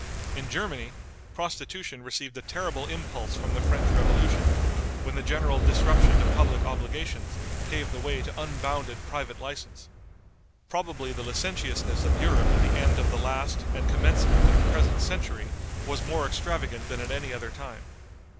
In Germany, prostitution received a terrible impulse from the French Revolution, when the general disruption of public obligations paved the way to unbounded private license. Probably the licentiousness of Europe at the end of the last and commencement of the present century was more extravagant than at any other time.